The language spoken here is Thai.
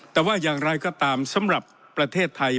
แต่ว่าอย่างไรก็ตามสำหรับประเทศไทย